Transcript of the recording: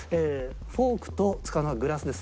フォークと使うのはグラスです。